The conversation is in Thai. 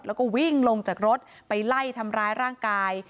แล้วก็วิ่งลงจากรถไปไล่ทำร้ายร่างกาย